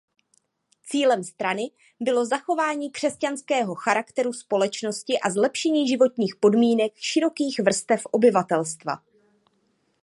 Cílem strany bylo zachování křesťanského charakteru společnosti a zlepšení životních podmínek širokých vrstev obyvatelstva.